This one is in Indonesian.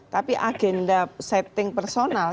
tapi agenda setting personal